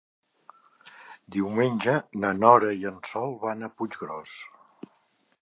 Diumenge na Nora i en Sol van a Puiggròs.